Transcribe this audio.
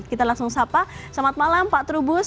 kita langsung sapa selamat malam pak trubus